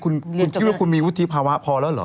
คุณคิดว่าคุณมีวุฒิภาวะพอแล้วเหรอ